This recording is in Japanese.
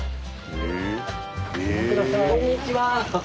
こんにちは。